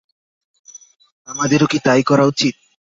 আমাদেরও কী তাই করা উচিত?